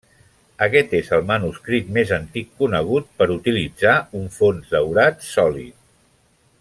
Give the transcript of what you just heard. Aquest és el manuscrit més antic conegut per utilitzar un fons daurat sòlid.